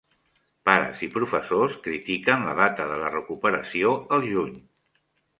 Pares i professors critiquen la data de la recuperació al juny.